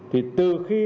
thì từ khi